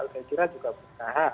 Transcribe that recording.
saya kira juga berkata